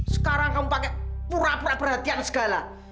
sekarang kamu pakai pura pura perhatian segala